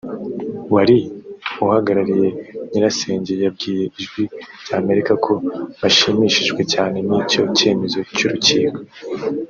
wari uhagarariye nyirasenge yabwiye Ijwi ry’Amerika ko bashimishijwe cyane n’icyo cyemezo cy’urukiko